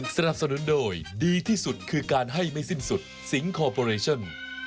สนับสนุนโดยดีที่สุดคือการให้ไม่สิ้นสุดสิงคอร์ปอเรชั่น